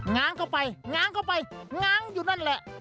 ง้างเข้าไปง้างเข้าไปง้างอยู่นั่นแหละ